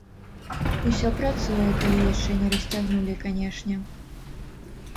Усё працуе, калі яшчэ не расцягнулі, канешне.